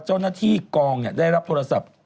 เจ้าหน้าที่กองได้รับโทรศัพท์